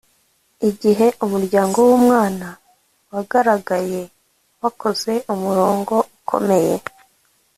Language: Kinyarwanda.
igihe umuryango wumwana wagaragaye, bakoze umurongo ukomeye